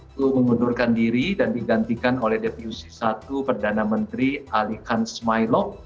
itu mengundurkan diri dan digantikan oleh depusi satu perdana menteri ali kans mylog